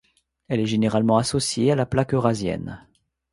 Elle est généralement associée à la plaque eurasienne.